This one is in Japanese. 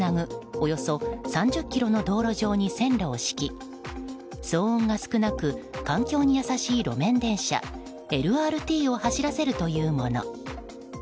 およそ３０ｋｍの道路上に線路を敷き騒音が少なく環境に優しい路面電車ＬＲＴを走らせるというもの。